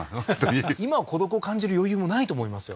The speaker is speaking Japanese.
今は孤独を感じる余裕もないと思いますよ